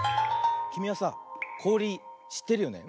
きみはさこおりしってるよね？